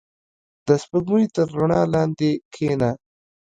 • د سپوږمۍ تر رڼا لاندې کښېنه.